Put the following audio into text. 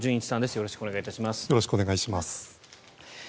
よろしくお願いします。